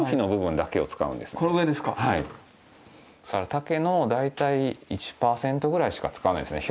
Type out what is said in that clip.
竹の大体１％ぐらいしか使わないですね。